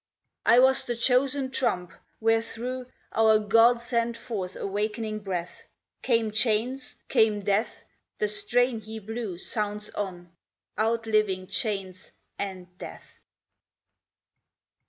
"I was the chosen trump wherethrough Our God sent forth awakening breath; Came chains? Came death? The strain He blew Sounds on, outliving chains and death."